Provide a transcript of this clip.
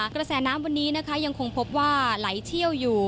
กระแสน้ำวันนี้นะคะยังคงพบว่าไหลเชี่ยวอยู่